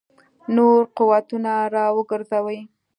نور قوتونه را وګرځوي.